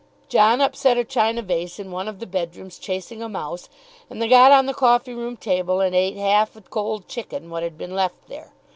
John upset a china vase in one of the bedrooms chasing a mouse, and they got on the coffee room table and ate half a cold chicken what had been left there.